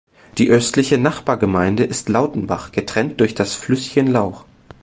Die östliche Nachbargemeinde ist Lautenbach, getrennt durch das Flüsschen Lauch.